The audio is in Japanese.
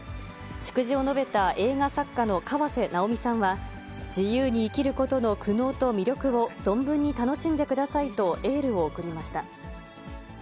祝辞を述べた映画作家の河瀬直美さんは、自由に生きることの苦悩と魅力を存分に楽しんでくださいと、エールを送りました。